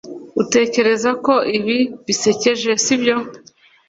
Utekereza ko ibi bisekeje sibyo